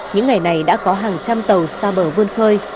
những ngày này đã có hàng trăm tàu xa bờ vươn khơi